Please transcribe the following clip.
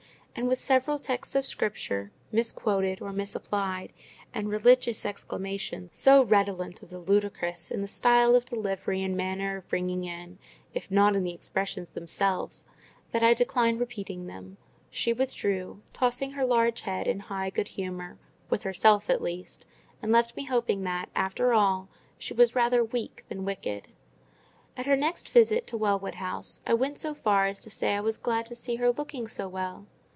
And with several texts of Scripture, misquoted or misapplied, and religious exclamations so redolent of the ludicrous in the style of delivery and manner of bringing in, if not in the expressions themselves, that I decline repeating them, she withdrew; tossing her large head in high good humour—with herself at least—and left me hoping that, after all, she was rather weak than wicked. At her next visit to Wellwood House, I went so far as to say I was glad to see her looking so well.